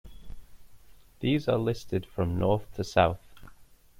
These are listed from north to south.